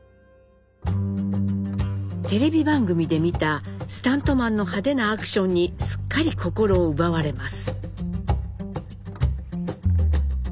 テレビ番組で見たスタントマンの派手なアクションにすっかり心を奪われます。